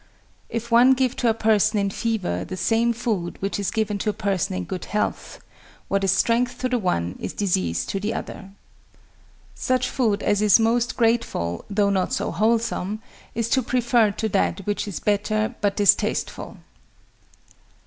"If one give to a person in fever the same food which is given to a person in good health, what is strength to the one is disease to the other." "Such food as is most grateful, though not so wholesome, is to be preferred to that which is better, but distasteful."